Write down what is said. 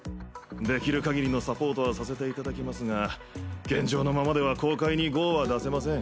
できるかぎりのサポートはさせていただきますが現状のままでは公開にＧＯは出せません。